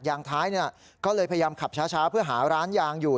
ท้ายก็เลยพยายามขับช้าเพื่อหาร้านยางอยู่